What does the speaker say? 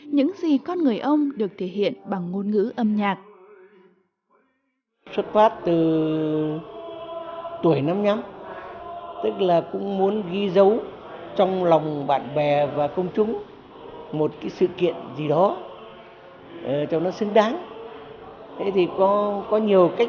những gì con người ông được thể hiện bằng ngôn ngữ âm nhạc